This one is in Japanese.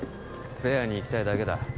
フェアにいきたいだけだ